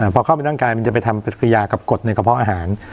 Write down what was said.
พอเข้าไปร่างกายมันจะไปทำปฏิกิยากับกฎในกระเพาะอาหาร